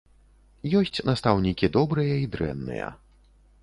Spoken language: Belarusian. Ёсць настаўнікі добрыя і дрэнныя.